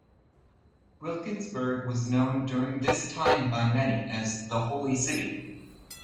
Wilkinsburg was known during this time by many as "The Holy City".